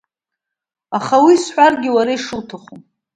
Аха уи сҳәаргьы, уара ишуҭаху…